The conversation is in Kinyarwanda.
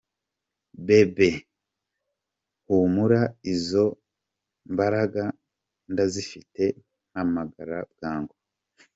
Bebe humura izo mbaraga nda zifite mpamagara bwangu.